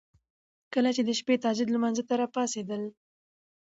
چې کله د شپې تهجد لمانځه ته را پاڅيدل